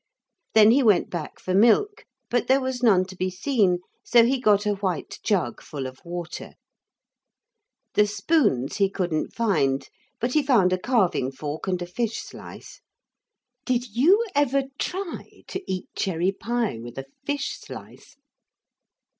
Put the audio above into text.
Then he went back for milk, but there was none to be seen so he got a white jug full of water. The spoons he couldn't find, but he found a carving fork and a fish slice. Did you ever try to eat cherry pie with a fish slice?